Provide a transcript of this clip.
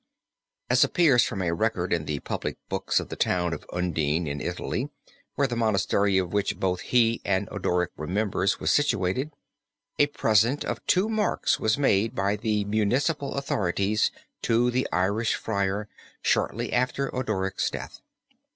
As appears from a record in the public books of the town of Udine in Italy, where the monastery of which both he and Odoric were members was situated, a present of two marks was made by the municipal authorities to the Irish friar shortly after Odoric's death.